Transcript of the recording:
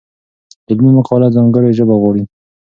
علمي مقاله ځانګړې ژبه غواړي.